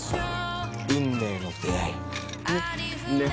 運命の出会い。ね？